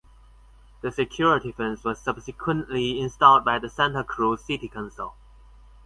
The security fence was subsequently installed by the Santa Cruz City Council.